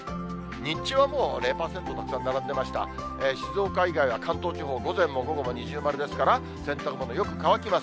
日中はもう０％たくさん並んでますが、静岡以外は関東地方、午前も午後も二重丸ですから、洗濯物、よく乾きます。